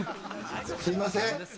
すみません。